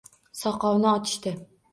Soqovni otishdi